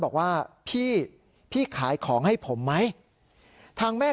ค้าเป็นผู้ชายชาวเมียนมา